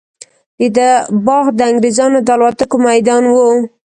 د ده باغ د انګریزانو د الوتکو میدان وو.